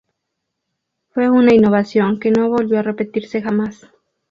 Fue una innovación que no volvió a repetirse jamás.